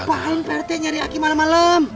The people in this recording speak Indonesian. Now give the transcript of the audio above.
ngapain pak rt nyari akik malem malem